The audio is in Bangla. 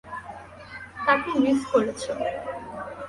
তাকে মিস করেছো।